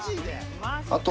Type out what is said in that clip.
あと。